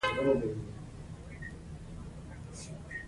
دی د پښتو ژبې رښتینی عاشق دی.